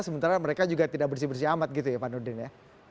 sementara mereka juga tidak bersih bersih amat gitu ya pak nurdin ya